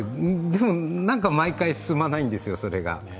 でも毎回進まないんですよ、それが。